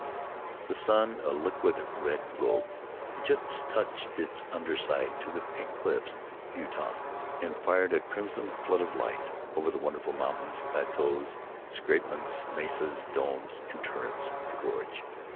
The sun, a liquid red globe, had just touched its under side to the pink cliffs of Utah, and fired a crimson flood of light over the wonderful mountains, plateaus, escarpments, mesas, domes and turrets or the gorge.